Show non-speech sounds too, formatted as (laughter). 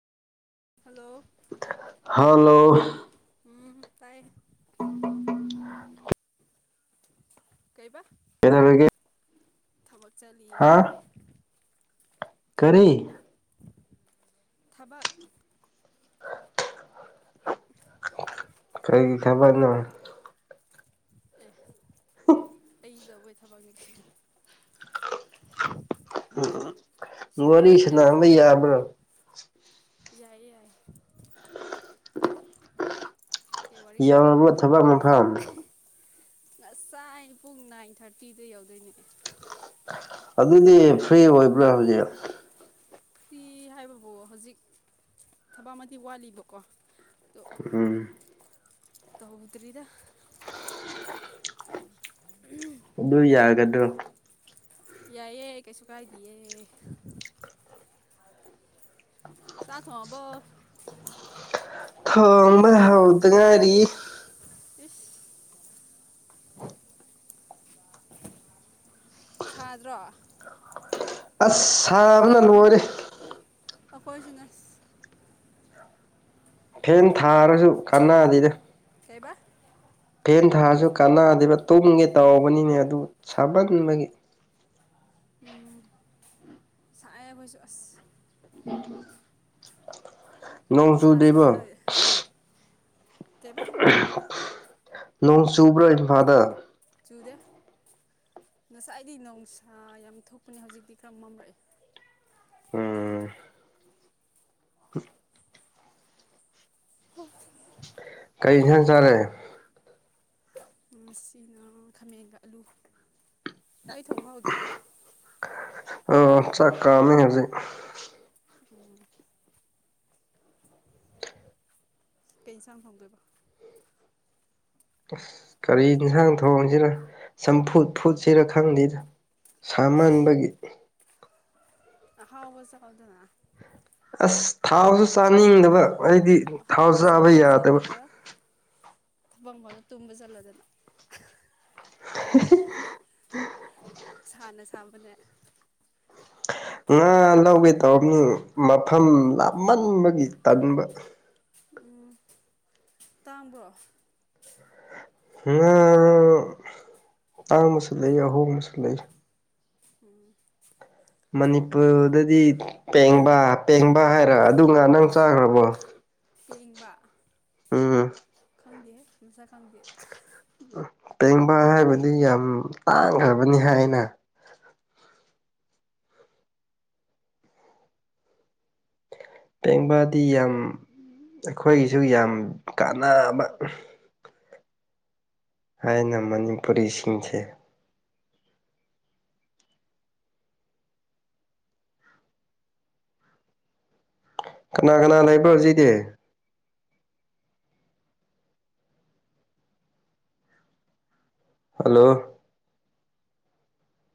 hello hello ꯎꯝ ꯇꯥꯏ ꯀꯩꯕ ꯀꯩꯗꯧꯔꯤꯒꯦ ꯊꯕꯛ ꯆꯠꯂꯤꯌꯦ ꯍꯥꯥ ꯊꯕꯛ ꯀꯔꯤ ꯊꯕꯛ ꯀꯩꯒꯤ ꯊꯕꯛꯅꯣ ꯑꯦ (unintelligible) ꯑꯩ ꯖꯒꯣꯢ ꯊꯕꯛꯅꯤ ꯀꯩ ꯎꯝ ꯋꯥꯔꯤ ꯅꯣꯏꯗꯤ ꯁꯥꯅꯕ ꯌꯥꯕ꯭ꯔꯣ ꯌꯥꯏꯌꯦ ꯌꯥꯏ ꯀꯩ ꯋꯥꯔꯤ ꯁꯥꯟꯅꯁꯦ ꯌꯧꯔꯕ꯭ꯔꯣ ꯍꯥꯢꯅꯣ ꯊꯕꯛ ꯃꯐꯝ ꯉꯁꯥꯏꯅ ꯄꯨꯡ ꯅꯥꯏꯟ ꯊꯥꯔꯇꯤꯗ ꯌꯧꯗꯣꯏꯅꯦ ꯑꯗꯨꯗꯤ ꯐ꯭ꯔꯤ ꯑꯣꯏꯕ꯭ꯔꯥ ꯍꯧꯖꯤꯛ ꯐ꯭ꯔꯤ ꯍꯥꯏꯕꯕꯨ ꯍꯧꯖꯤꯛ ꯊꯕꯛ ꯑꯃꯗꯤ ꯋꯥꯠꯂꯤꯕꯀꯣ ꯑꯗꯣ ꯎꯝ ꯇꯧꯗ꯭ꯔꯤꯗ ꯎꯝ ꯑꯗꯣ ꯌꯥꯒꯗ꯭ꯔꯣ ꯌꯥꯏꯌꯦ ꯀꯩꯁꯨ ꯀꯥꯏꯗꯤꯌꯦ ꯆꯥꯛ ꯊꯣꯡꯉꯕꯣ ꯊꯣꯡꯕ ꯍꯧꯗ ꯉꯥꯢꯔꯤ ꯏꯁꯁꯁ ꯁꯥꯗ꯭ꯔꯣ ꯑꯁ ꯁꯥꯕꯅ ꯂꯣꯏꯔꯦ ꯑꯈꯣꯏꯁꯨꯅꯦ ꯐꯦꯟ ꯊꯥꯔꯁꯨ ꯀꯥꯟꯅꯗꯦꯗ ꯕ ꯐꯦꯟ ꯊꯥꯔꯖꯨ ꯀꯥꯟꯅꯗꯦꯗ ꯇꯨꯝꯒꯦ ꯇꯧꯕꯅꯤꯅꯦ ꯑꯗꯨ ꯁꯥꯃꯟꯕꯒꯤ ꯎꯝ ꯁꯥꯏꯌꯦ ꯑꯈꯣꯢꯁꯨ ꯑꯁ (inaudible) ꯅꯣꯡ ꯏꯁꯥ ꯆꯨꯗ꯭ꯔꯤꯕꯣ ꯁꯣꯛꯇ ꯀꯩꯕꯥ ꯅꯣꯡ ꯆꯨꯕ꯭ꯔꯥ ꯏꯝꯐꯥꯜꯗ ꯆꯨꯗꯦ ꯉꯁꯥꯏꯗꯤ ꯅꯨꯡꯁꯥ ꯌꯥꯝ ꯊꯣꯛꯄꯅꯦ ꯍꯧꯖꯤꯛꯇꯤ ꯈꯔ ꯃꯝꯔꯛꯑꯦ ꯎꯝ ꯍꯁ ꯀꯩ ꯑꯦꯟꯁꯥꯡ ꯆꯔꯦ ꯉꯁꯤꯅ ꯈꯥꯃꯦꯟꯒ ꯑꯂꯨ ꯅꯣꯏ ꯊꯣꯡꯕ ꯍꯧꯗ꯭ꯔꯤꯕꯣ ꯑꯥ ꯆꯥꯛ ꯀꯥꯝꯃꯦ ꯍꯧꯖꯤꯛ ꯎꯝ ꯀꯩ ꯁꯥꯡ ꯊꯣꯡꯗꯣꯢꯕ ꯑꯁ ꯀꯔꯤ ꯌꯦꯟꯁꯥꯡ ꯊꯣꯡꯁꯤꯔ ꯆꯝꯐꯨꯠ ꯐꯨꯠꯁꯤꯔ ꯈꯪꯗꯦ ꯁꯥꯃꯟꯕꯒꯤ ꯑꯍꯥꯎꯕ ꯆꯥꯎꯗꯅ ꯑꯁ ꯊꯥꯎꯁꯨ ꯆꯥꯅꯤꯡꯗꯕ ꯑꯩꯗꯤ ꯊꯥꯎ ꯑꯍꯥꯎꯕ ꯆꯥꯕ ꯌꯥꯗꯕ ꯕꯪ ꯕ ꯇꯨꯝꯕ ꯆꯠꯂꯣꯗꯅ (unintelligible) ꯁꯥꯅ ꯁꯥꯕꯅꯦ ꯉꯥ ꯂꯧꯒꯦ ꯇꯧꯕꯅꯤ ꯃꯐꯝ ꯂꯥꯞꯃꯟꯕꯒꯤ ꯇꯟꯕ ꯎꯝ ꯇꯥꯡꯕ꯭ꯔꯣ ꯉꯥ ꯇꯥꯡꯕꯁꯨ ꯂꯩ ꯑꯍꯣꯡꯕꯁꯨ ꯂꯩ ꯎꯝ ꯃꯅꯤꯄꯨꯔꯗꯗꯤ ꯄꯦꯡꯕ ꯄꯦꯡꯕ ꯍꯥꯏꯔ ꯑꯗꯨ ꯉꯥꯗꯨ ꯅꯪ ꯆꯥꯒ꯭ꯔꯕꯣ ꯄꯦꯡꯕ ꯈꯪꯗꯦꯍꯦ ꯃꯁꯛ ꯈꯪꯗꯦ ꯄꯦꯡꯕ ꯍꯥꯏꯕꯗꯤ ꯌꯥꯝ ꯇꯥꯡꯒ꯭ꯔꯕꯅꯤ ꯍꯥꯏꯅ ꯄꯦꯡꯕꯗꯤ ꯌꯥꯝ ꯑꯩꯈꯣꯏꯒꯤꯁꯨ ꯌꯥꯝ ꯀꯥꯟꯅꯕ ꯍꯥꯏꯅ ꯃꯅꯤꯄꯨꯔꯤꯁꯤꯡꯁꯦ ꯀꯅꯥ ꯀꯅꯥ ꯂꯩꯕ ꯍꯧꯖꯤꯛꯇꯤ ꯍꯜꯂꯣ